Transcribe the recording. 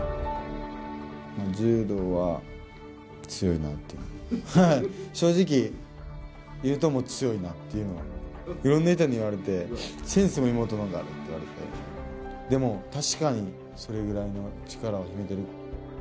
柔道は強いなって、正直言うと、もう強いなっていうのを、いろんな人に言われて、センスも妹のほうがあると言われて、でも確かにそれぐらいの力は秘めてる。